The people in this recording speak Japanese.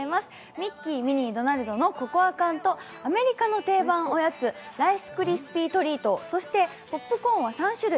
ミッキー、ミニー、ドナルドのココア缶とアメリカの定番おやつライスクリスピー・トリート、そしてポップコーンは３種類。